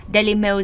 daily mail cho biết